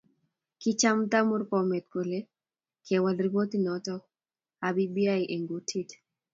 Kichamta Murkomen kole kewal ripotit noto ab bbi eng kutit